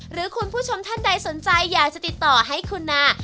หรือคุณผู้ชมท่านใดสนใจอยากจะติดต่อให้คุณนา